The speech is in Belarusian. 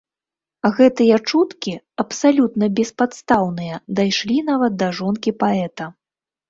Гэтыя чуткі, абсалютна беспадстаўныя, дайшлі нават да жонкі паэта.